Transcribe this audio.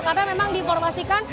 karena memang diinformasikan